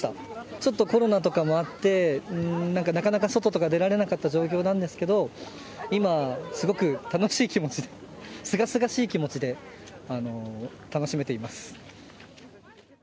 ちょっとコロナとかもあってなかなか外とか出られなかった状況なんですけど今、すごく楽しい気持ちすがすがしい気持ちで楽しめています。